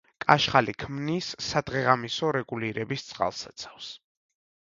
კაშხალი ქმნის სადღეღამისო რეგულირების წყალსაცავს.